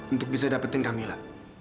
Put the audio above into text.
untuk bisa dapetin kamila